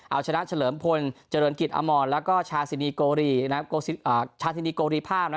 เอาชนะเฉลิมพลเจริญกิตอมรแล้วก็ชาธินิโกรีภาพนะครับ